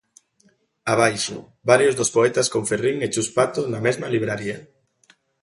Abaixo: varios dos poetas con Ferrín e Chus Pato na mesma libraría.